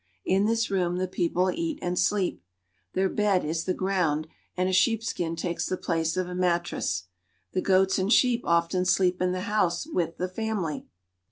In this room the people eat and sleep. Their bed is the ground, and a sheepskin takes the place of a mattress. The goats and sheep often sleep in the house with the family.